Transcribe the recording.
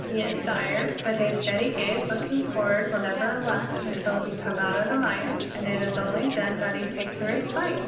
He is tired, but his steady gaze, looking forward, will never relax tmtil he come out of the mire, and it is only then that he takes a respite.